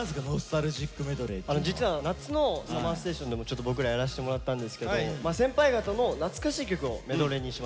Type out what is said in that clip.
実は夏の「ＳＵＭＭＥＲＳＴＡＴＩＯＮ」でもちょっと僕らやらせてもらったんですけど先輩方の懐かしい曲をメドレーにしました。